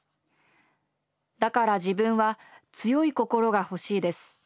だから自分は強い心が欲しいです。